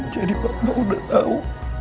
jadi papa udah tau